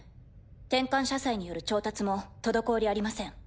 転換社債による調達も滞りありません。